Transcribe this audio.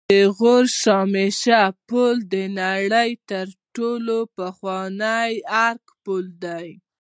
د غور شاهمشه پل د نړۍ تر ټولو پخوانی آرک پل دی